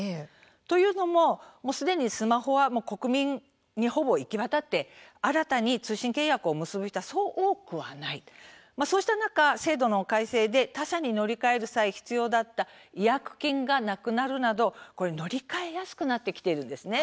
というのもすでにスマホは国民にほぼ行き渡って新たに通信契約を結ぶ人はそう多くないそうした中、制度の改正で他社に乗り換える際必要だった違約金がなくなるなど乗り換えやすくなってきているんです。